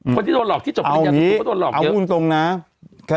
คนที่โดนหลอกที่จบปริญญาเสมอไปก็โดนหลอกเยอะเอาอย่างนี้เอาอุ้นตรงนะ